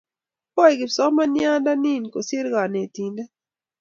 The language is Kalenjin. Koi kipsomaniandet nin kosir kanetindet